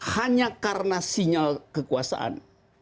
hanya karena sinyal kekuasaan